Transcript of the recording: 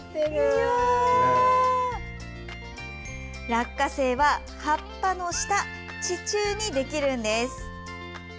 落花生は、葉っぱの下地中にできるんです。